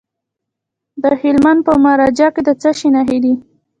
د هلمند په مارجه کې د څه شي نښې دي؟